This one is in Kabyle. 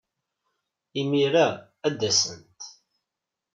Imir-a ad d-asent.